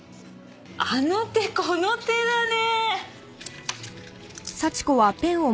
あの手この手だね。